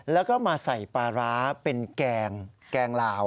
แล้วก็มาใส่ปลาร้าเป็นแกงลาว